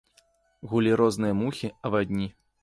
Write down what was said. Гулі розныя мухі, авадні.